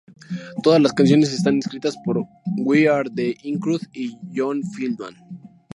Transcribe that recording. Todas las canciones están escritas por We Are the In Crowd y John Feldmann.